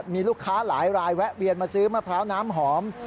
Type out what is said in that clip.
มีลูกค้าหลายรายแวะเวียนมาซื้อมะพร้าวน้ำหอม